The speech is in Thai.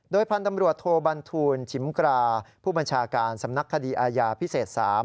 พันธุ์ตำรวจโทบันทูลชิมกราผู้บัญชาการสำนักคดีอาญาพิเศษ๓